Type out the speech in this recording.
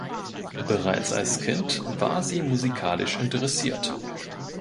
Bereits als Kind war sie musikalisch interessiert.